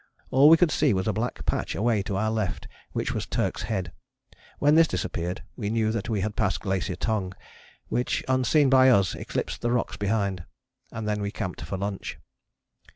All we could see was a black patch away to our left which was Turk's Head: when this disappeared we knew that we had passed Glacier Tongue which, unseen by us, eclipsed the rocks behind. And then we camped for lunch.